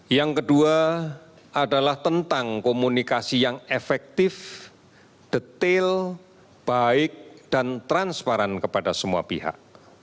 yang kedua adalah tentang komunikasi yang efektif detail baik dan transparan kepada semua pihak